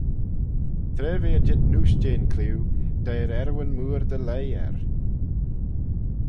Tra v'eh er jeet neose jeh'n clieau, deiyr earrooyn mooar dy leih er.